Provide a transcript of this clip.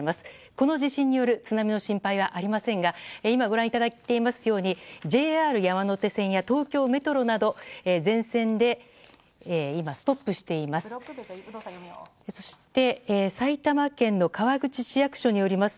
この地震による津波の心配はありませんが今、ご覧いただいていますようにＪＲ山手線や東京メトロなど全線で今ストップしています。